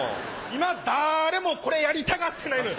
今だれもこれやりたがってないのよ。